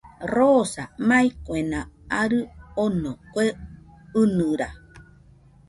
Rosa, mai kuena arɨ ono, kue ɨnɨra